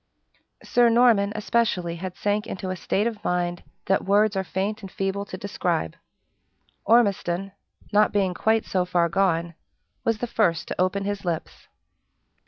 Sir Norman, especially, had sank into a state of mind that words are faint and feeble to describe. Ormiston, not being quite so far gone, was the first to open his lips.